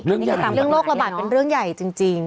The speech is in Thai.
เรื่องโรคระบาดเป็นเรื่องใหญ่จริง